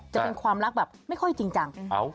จะเป็นความรักแบบไม่ค่อยจริงจัง